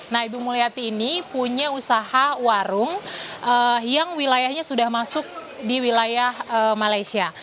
nah ibu mulyati ini punya usaha warung yang wilayahnya sudah masuk di wilayah malaysia